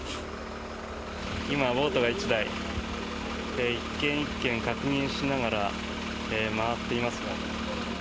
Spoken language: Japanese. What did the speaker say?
今、ボートが１台１軒１軒確認しながら回っています。